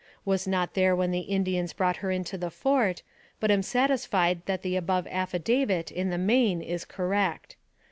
Was not there when the Indians brought her into the fort; but am satisfied that the above affidavit, in the main, is cor rect.